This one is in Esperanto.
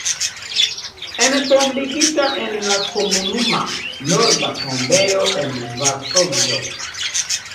Entombigita en la Komunuma Norda Tombejo en Varsovio.